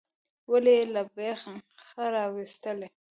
ونې یې له بېخه راویستلې.